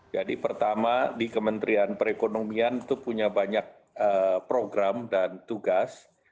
jadi pertama di kementerian perekonomian itu punya banyak program dan tugas